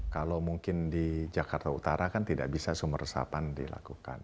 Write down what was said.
kalau mungkin di jakarta utara kan tidak bisa sumber resapan dilakukan